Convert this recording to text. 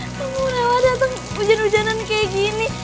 emang nella dateng hujan hujanan kayak gini